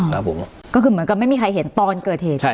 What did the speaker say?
เหมือนกับไม่มีใครเห็นตอนเกิดเหตุ